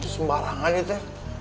sembarangan gitu ya